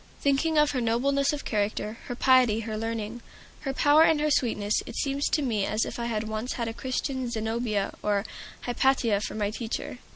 Thinking of her nobleness of character, her piety, her learning, her power, and her sweetness, it seems to me as if I had once had a Christian Zenobia or Hypatia for my teacher.